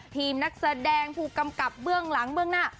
นักแสดงผู้กำกับเบื้องหลังเบื้องหน้า